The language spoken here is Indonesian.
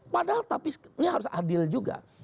padahal tapi ini harus adil juga